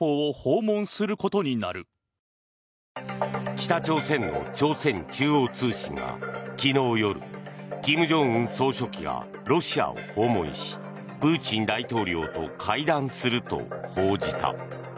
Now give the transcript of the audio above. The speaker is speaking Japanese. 北朝鮮の朝鮮中央通信が昨日夜金正恩総書記がロシアを訪問しプーチン大統領と会談すると報じた。